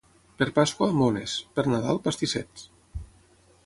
Per Pasqua, mones; per Nadal, pastissets.